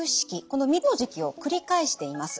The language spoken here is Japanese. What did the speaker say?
この３つの時期を繰り返しています。